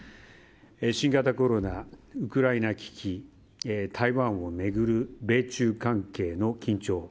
新型コロナ、ウクライナ危機台湾を巡る米中関係の緊張。